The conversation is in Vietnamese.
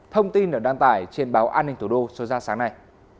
thông tin được đăng tải trên báo an ninh tổ đô số ra sáng nay